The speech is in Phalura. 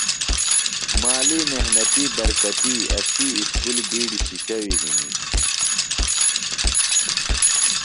مالی محنتی برکتی اسی اُسکُل بِیڈیۡ شِشیویۡ ہِنیۡ۔